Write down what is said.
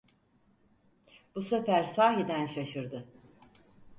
Bu sefer sahiden şaşırdı: